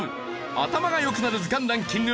頭が良くなる図鑑ランキング